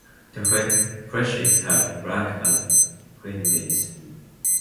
The flesh is hard, black, and flimsy.